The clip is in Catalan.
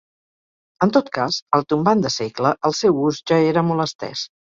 En tot cas, al tombant de segle, el seu ús ja era molt estès.